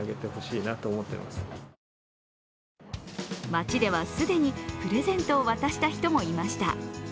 街では既にプレゼントを渡した人もいました。